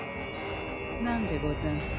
何でござんす？